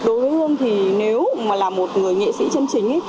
đối với ươm thì nếu mà là một người nghệ sĩ chân chính